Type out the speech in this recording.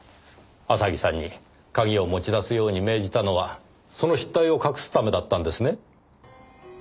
浅木さんに鍵を持ち出すように命じたのはその失態を隠すためだったんですね。